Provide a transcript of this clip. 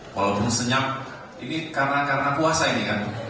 walaupun senyap ini karena puasa ini kan